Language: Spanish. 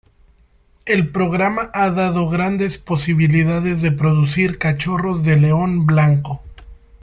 El programa ha dado grandes posibilidades de producir cachorros de león blanco.